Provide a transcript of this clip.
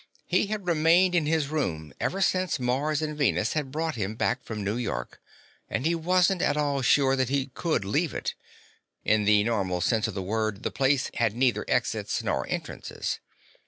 He had remained in his room ever since Mars and Venus had brought him back from New York, and he wasn't at all sure that he could leave it. In the normal sense of the word, the place had neither exits nor entrances.